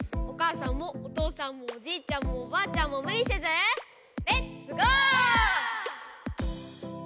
おかあさんもおとうさんもおじいちゃんもおばあちゃんもむりせずレッツゴー！